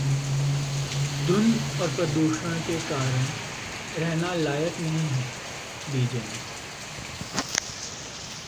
धुंध और प्रदूषण के कारण रहने लायक नहीं है बीजिंग!